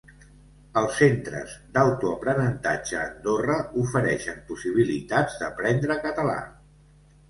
Els Centres d'Autoaprenentatge Andorra ofereixen possibilitats d'aprendre català.